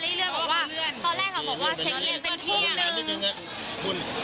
ตอนแรกเขาบอกว่าฉันเองเป็นทุ่มหนึ่ง